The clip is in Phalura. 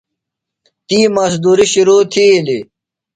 تی مُزدُری شِرو تِھیلیۡ۔